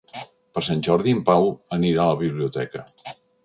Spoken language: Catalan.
Per Sant Jordi en Pau anirà a la biblioteca.